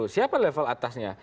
siapa level atasnya